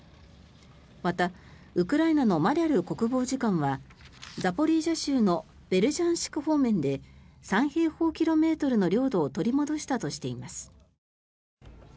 また、ウクライナのマリャル国防次官はザポリージャ州のベルジャンシク方面で３平方キロメートルの領土を取り戻したとしています。